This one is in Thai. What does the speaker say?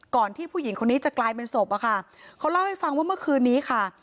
ที่ผู้หญิงคนนี้จะกลายเป็นศพอะค่ะเขาเล่าให้ฟังว่าเมื่อคืนนี้ค่ะ